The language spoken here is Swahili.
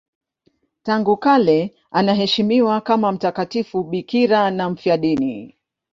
Tangu kale anaheshimiwa kama mtakatifu bikira na mfiadini.